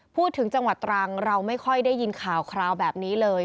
พูดถึงจังหวัดตรังเราไม่ค่อยได้ยินข่าวคราวแบบนี้เลย